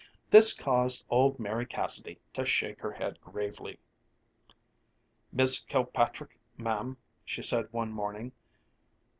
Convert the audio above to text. This caused old Mary Cassidy to shake her head gravely. "Mis' Kilpatrick, ma'am," she said one morning.